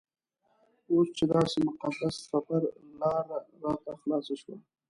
اوس چې داسې مقدس سفر لاره راته خلاصه شوه.